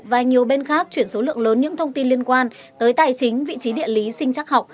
và nhiều bên khác chuyển số lượng lớn những thông tin liên quan tới tài chính vị trí địa lý sinh chắc học